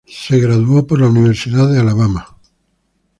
Se graduó de la Universidad de Alabama.